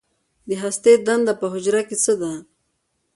د هستې دنده په حجره کې څه ده